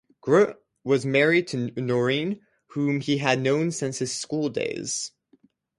Grout was married to Noreen, whom he had known since his school days.